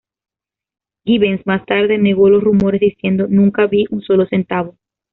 Givens, más tarde, negó los rumores diciendo "Nunca vi un solo centavo.